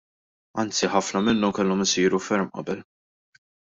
Anzi ħafna minnhom kellhom isiru ferm qabel.